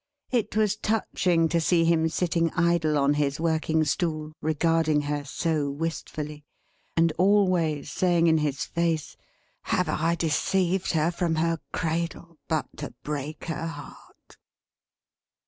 It was touching to see him sitting idle on his working stool, regarding her so wistfully; and always saying in his face, "have I deceived her from her cradle, but to break her heart!"